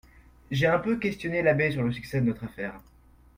J'ai un peu questionné l'abbé sur le succès de notre affaire.